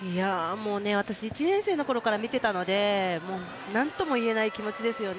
私、１年生のころから見てたので何とも言えない気持ちですよね。